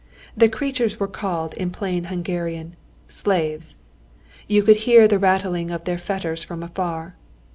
The creatures were called in plain Hungarian slaves. You could hear the rattling of their fetters from afar.